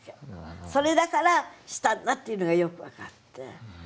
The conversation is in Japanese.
それだからしたんだっていうのがよく分かって。